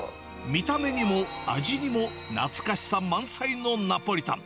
見た目にも味にも懐かしさ満載のナポリタン。